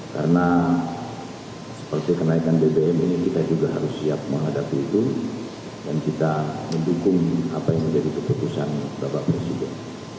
karena seperti kenaikan bbm ini kita juga harus siap menghadapi itu dan kita mendukung apa yang menjadi keputusan bapak presiden